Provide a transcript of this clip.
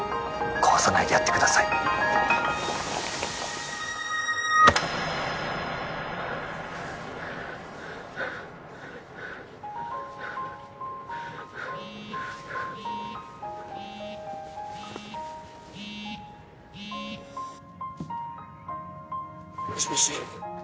壊さないでやってください☎もしもし？